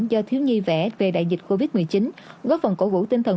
do thiếu nhi vẽ về đại dịch covid một mươi chín góp phần cổ vũ tinh thần